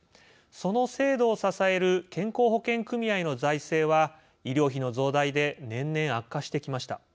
その制度を支える健康保険組合の財政は医療費の増大で年々悪化してきました。